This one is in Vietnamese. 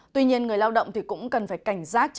tuy nhiên người lao động cũng cần phải cảnh giác